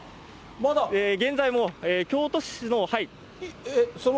現在も、京都市の。